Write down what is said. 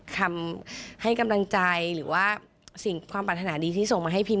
คำให้กำลังใจหรือว่าสิ่งความปรารถนาดีที่ส่งมาให้พิม